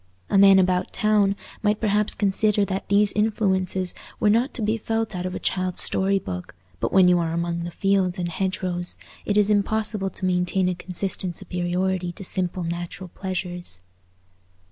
A man about town might perhaps consider that these influences were not to be felt out of a child's story book; but when you are among the fields and hedgerows, it is impossible to maintain a consistent superiority to simple natural pleasures.